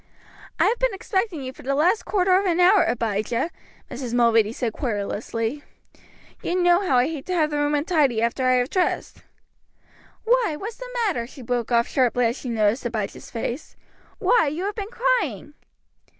"I have been expecting you for the last quarter of an hour, Abijah," Mrs. Mulready said querulously. "You know how I hate to have the room untidy after I have dressed. "Why, what's the matter?". she broke off sharply as she noticed Abijah's face. "Why, you have been crying!"